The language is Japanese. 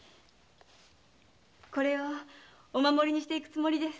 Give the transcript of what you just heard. これをお守りにしていくつもりです。